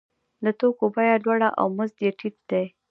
د توکو بیه لوړه او مزد یې ټیټ دی